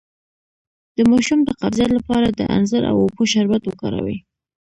د ماشوم د قبضیت لپاره د انځر او اوبو شربت وکاروئ